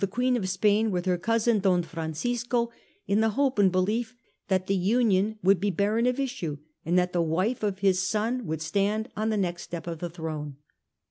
433 Queen of Spain with, her cousin Don Francisco in the hope and belief that the union would be barren of issue, and that the wife of his son would stand on the next step of the throne.